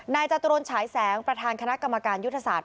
จตุรนฉายแสงประธานคณะกรรมการยุทธศาสตร์